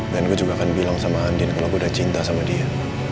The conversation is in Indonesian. dan gue juga akan bilang sama andien kalo gue udah cinta sama dia